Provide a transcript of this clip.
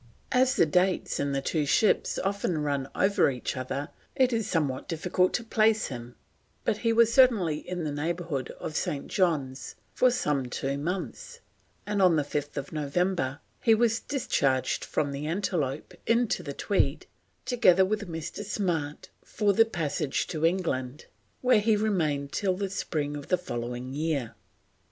As the dates in the two ships often run over each other it is somewhat difficult to place him, but he was certainly in the neighbourhood of St. John's for some two months, and on 5th November he was discharged from the Antelope into the Tweed, together with Mr. Smart, for the passage to England, where he remained till the spring of the following year.